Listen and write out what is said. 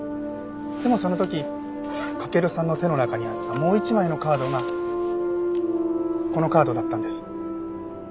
でもその時駆さんの手の中にあったもう一枚のカードがこのカードだったんです。